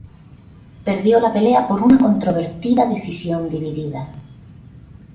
Perdió la pelea por una controvertida decisión dividida.